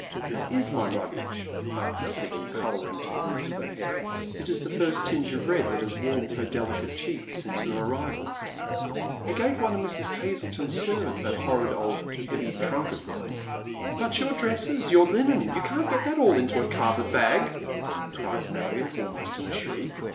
" That is my luggage," answers Sibyl, colouring to the roots of her hair. It is the first tinge of red that has warmed her delicate cheek since her arrival. " I gave one of Mrs. Hazleton's servants that horrid old heavy trunk of mine." " But your dresses, your linen, you can't get them all into that carpet bag," cries Marion, almost in a shriek.